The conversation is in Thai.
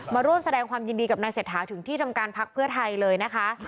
มาร่วมแสดงความยินดีกับนายเศรษฐาถึงที่ทำการพักเพื่อไทยเลยนะคะ